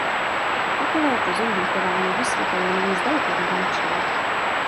Takovéto zombie chování hostitelů není zdaleka výjimečné.